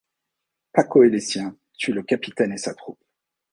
Paco et les sien tuent le capitaine et sa troupe.